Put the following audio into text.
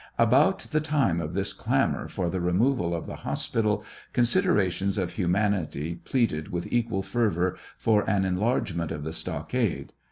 About the time of this clamor for the removal of the hospital, considerations of humanity pleaded with equal fervor for an enlargement of the stockade.